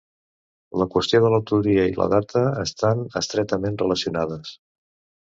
La qüestió de l'autoria i la data estan estretament relacionades.